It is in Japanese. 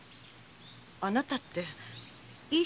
あなたっていい人ね。